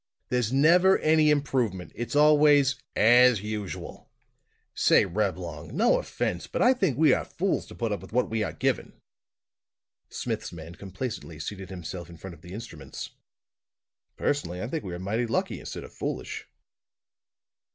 There's never any improvement; it's always as usual! Say, Reblong; no offense, but I think we are fools to put up with what we are given!" Smith's man complacently seated himself in front of the instruments. "Personally, I think we are mighty lucky, instead of foolish."